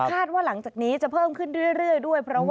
ว่าหลังจากนี้จะเพิ่มขึ้นเรื่อยด้วย